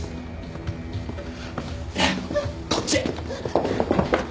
こっちへ。